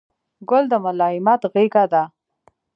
ګل د ملایمت غېږه ده.